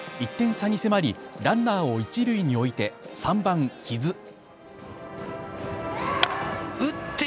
１点差に迫りランナーを一塁に置いて３番・木津。